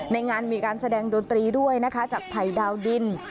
ในงานมีการแสดงดนตรีด้วยนะคะจากภัยดาวดิน